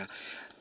tidak ada harapan